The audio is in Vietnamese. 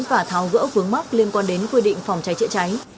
và tháo gỡ vướng mắt liên quan đến quy định phòng trái trái trái